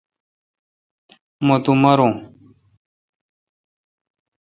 مہ تو مارو۔